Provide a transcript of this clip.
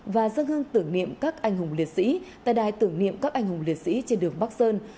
và dân hương tưởng niệm các anh hùng liệt sĩ tại đài tưởng niệm các anh hùng liệt sĩ trên đường bắc sơn